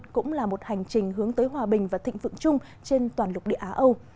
cũng là một hành trình hướng tới hòa bình và thịnh vượng chung trên toàn lục địa á âu